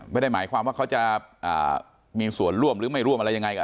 ไม่ได้หมายความว่าเขาจะมีส่วนร่วมหรือไม่ร่วมอะไรยังไง